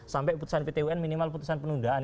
sampai putusan pt un minimal putusan penundaan